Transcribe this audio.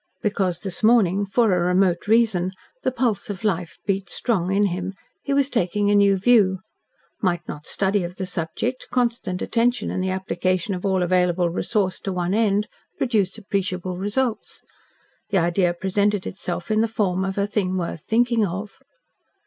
Because this morning, for a remote reason, the pulse of life beat strong in him he was taking a new view. Might not study of the subject, constant attention and the application of all available resource to one end produce appreciable results? The idea presented itself in the form of a thing worth thinking of.